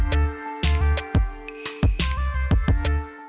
terima kasih pak